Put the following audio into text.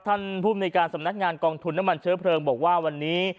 ท่านภูมิในการสำนักงานกองทุนน้ำมันเชื้อเพลิงบอกว่าวันนี้